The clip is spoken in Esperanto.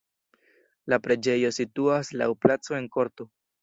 La preĝejo situas laŭ placo en korto.